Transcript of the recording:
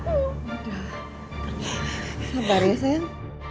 udah sabar ya sayang